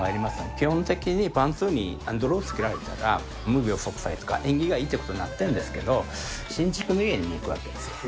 基本的にパーントゥに泥をつけられたら、無病息災とか、縁起がいいってことになってるんですけど、新築の家に行くわけですよね。